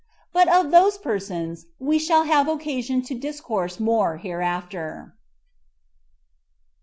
But of those persons we shall have occasion to discourse more hereafter.